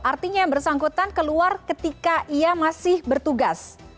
artinya yang bersangkutan keluar ketika ia masih bertugas